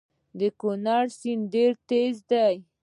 د کونړ سیند ډیر تېز دی